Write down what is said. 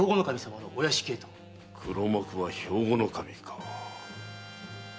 黒幕は兵庫守か。